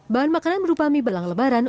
bahan makanan berupa mie belang lebaran